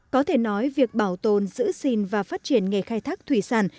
có thể nói việc bảo tồn giữ xin và phát triển nghề khai thác thủy sản